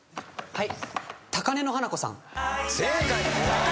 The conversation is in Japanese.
はい。